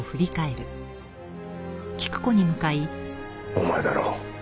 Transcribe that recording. お前だろ